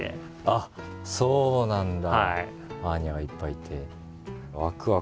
あっそうなんだ。